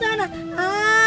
udah deh kamu samana